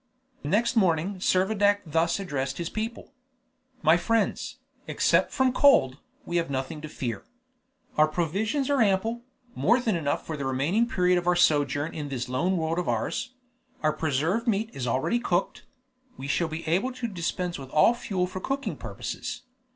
Next morning, Servadac thus addressed his people. "My friends, except from cold, we have nothing to fear. Our provisions are ample more than enough for the remaining period of our sojourn in this lone world of ours; our preserved meat is already cooked; we shall be able to dispense with all fuel for cooking purposes.